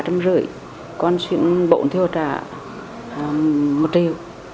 một chiến bộ thì họ trả một triệu